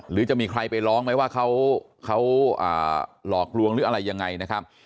หรือจะมีใครไปร้องไหมว่าเขาหลอกลวงหรืออะไรยังไงนะครับ